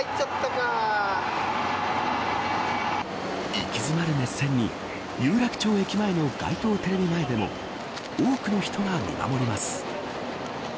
息詰まる熱戦に有楽町駅前の街頭テレビ前でも多くの人が見守ります。